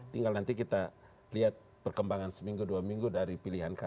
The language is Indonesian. tinggal nanti kita lihat perkembangan seminggu dua minggu dari pilihan kami